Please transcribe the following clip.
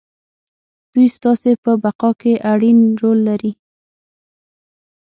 دوی ستاسې په بقا کې اړين رول لري.